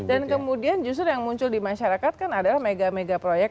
dan kemudian justru yang muncul di masyarakat kan adalah mega mega proyek